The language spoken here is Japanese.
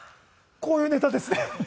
こういうネタですね。